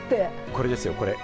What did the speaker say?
これですよ、これ。